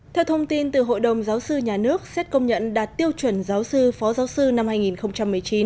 theo thông tin từ hội đồng giáo sư nhà nước xét công nhận đạt tiêu chuẩn giáo sư phó giáo sư năm hai nghìn một mươi chín